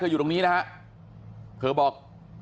อยู่ตรงนี้นะฮะเธอบอก